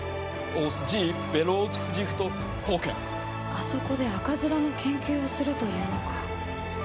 あそこで赤面の研究をするというのか。